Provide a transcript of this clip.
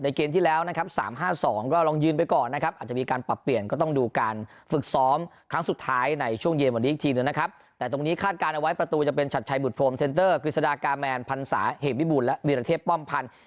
มีที่จะเปลี่ยนแผ่นพันศาเหตุวิบุลและวิรเทพป้อมพันธ์